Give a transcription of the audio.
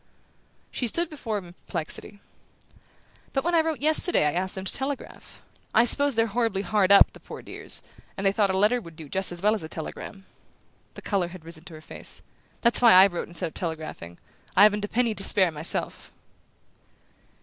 She stood before him in perplexity. "But when I wrote yesterday I asked them to telegraph. I suppose they're horribly hard up, the poor dears, and they thought a letter would do as well as a telegram." The colour had risen to her face. "That's why I wrote instead of telegraphing; I haven't a penny to spare myself!"